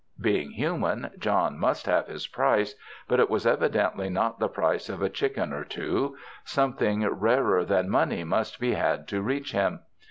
Being human, John must have his price, but it was evi dently not the price of a chicken or two; something rarer than money must be had to reach him.